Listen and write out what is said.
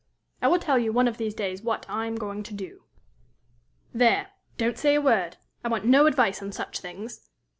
I will tell you one of these days what, I am going to do. There! don't say a word. I want no advice on such things.